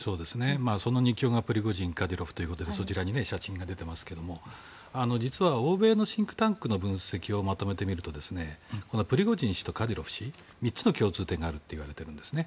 その２強がプリゴジンとカディロフということですが実は欧米のシンクタンクの分析をまとめてみるとプリゴジン氏とカディロフ氏３つの共通点があるといわれているんですね。